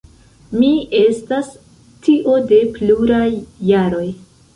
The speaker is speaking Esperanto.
Mi estas tio de pluraj jaroj.